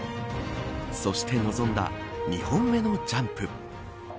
そして臨んだ２本目のジャンプ。